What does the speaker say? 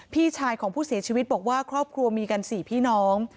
พี่ชายของผู้เสียชีวิตบอกว่าครอบครัวมีกัน๔พี่น้อง